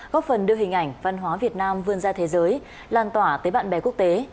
góp phần đưa hình ảnh văn hóa việt nam vươn ra thế giới lan tỏa tới bạn bè quốc tế